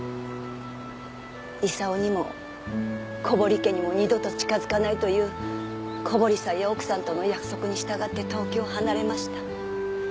功にも小堀家にも二度と近づかないという小堀さんや奥さんとの約束に従って東京を離れました。